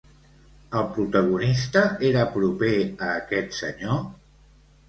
El protagonista era proper a aquest senyor?